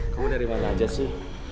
kamu dari mana aja sih